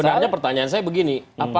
sebenarnya pertanyaan saya begini